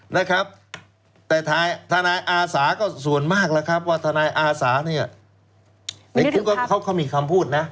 นะครับแต่ทนายอาสาก็ส่วนมากแล้วครับว่าทนายอาสาเนี่ยในคลิปก็เขาก็มีคำพูดนะ